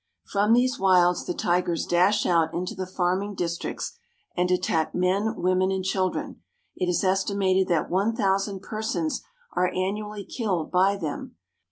From these wilds the tigers dash out into the farming districts, and attack men, women, and children. It is esti mated that one thousand persons are annually killed by them.